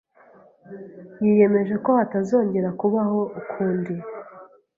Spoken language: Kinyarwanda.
Yiyemeje ko hatazongera kubaho ukundi.